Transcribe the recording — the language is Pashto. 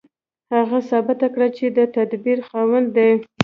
هغه ثابته کړه چې د تدبير خاوند دی.